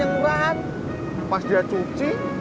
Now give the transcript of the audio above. kalau ha statistik